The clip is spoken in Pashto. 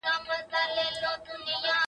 د بدن روغتیا لپاره ورزش ته وخت ورکړئ.